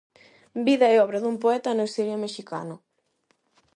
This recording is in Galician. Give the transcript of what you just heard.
Vida e obra dun poeta no exilio mexicano.